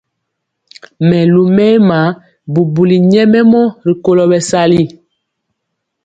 Mɛlumɛma bubuli nyɛmemɔ rikolo bɛsali.